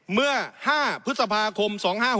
เมื่อ๕พฤษภาคม๒๕๖๖